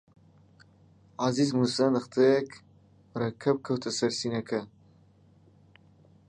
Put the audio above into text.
عەزیز مووسا نوختەیەک مەرەکەب کەوتە سەر سینەکە